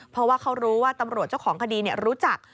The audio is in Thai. เพราะว่าเขารู้ว่าตำรวจเจ้าของคดีรู้จัก